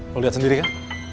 lo liat sendiri ya